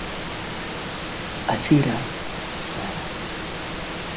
Wamasai wanaofuata desturi hiyo hasa wavulana inazidi kupungua